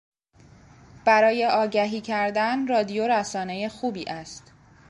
برای آگهی کردن رادیو رسانهی خوبی است.